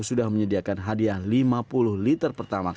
sudah menyediakan hadiah lima puluh liter pertama